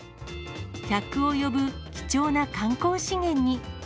客を呼ぶ貴重な観光資源に。